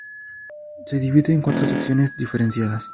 Se divide en cuatro secciones diferenciadas.